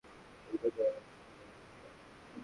তোমার প্রতিপালক অবশ্যই সতর্ক দৃষ্টি রাখেন।